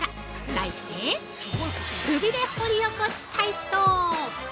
題して、くびれ掘り起こし体操。